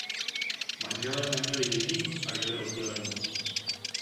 Manželé neměli děti a žili odděleně.